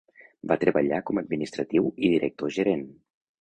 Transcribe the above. Va treballar com a administratiu i director gerent.